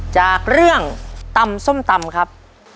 จากเรื่องตำส้มตำครับ